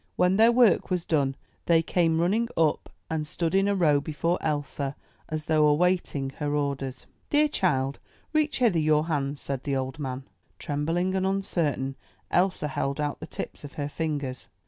When their work was done, they came running up and stood in a row before Elsa, as though awaiting her orders. "Dear child, reach hither your hands," said the old man. Trembling and uncertain, Elsa held out the tips of her fingers.